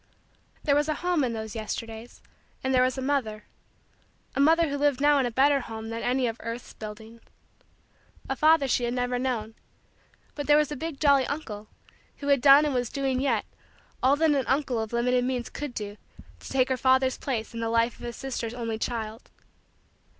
There was a home in those Yesterdays and there was a mother a mother who lived now in a better home than any of earth's building. A father she had never known but there was a big, jolly, uncle who had done and was doing yet all that an uncle of limited means could do to take her father's place in the life of his sister's only child.